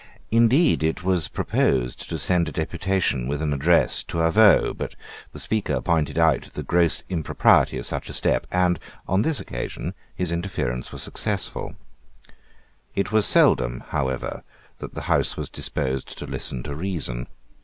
Indeed it was proposed to send a deputation with an address to Avaux; but the Speaker pointed out the gross impropriety of such a step; and, on this occasion, his interference was successful, It was seldom however that the House was disposed to listen to reason.